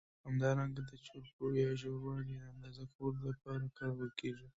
همدارنګه د چوړپو یا ژوروالي د اندازه کولو له پاره کارول کېږي.